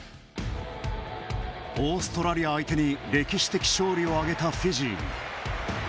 オーストラリア相手に歴史的勝利を挙げたフィジー。